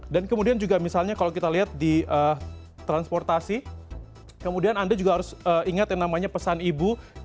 kemudian juga misalnya kalau kita lihat di transportasi kemudian anda juga harus ingat yang namanya pesan ibu